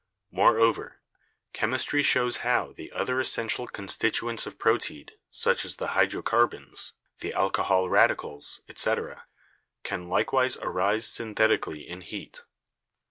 Moreover, chemistry shows how the other essen tial constituents of proteid, such as the hydrocarbons, the alcohol radicals, etc., can likewise arise synthetically in heat.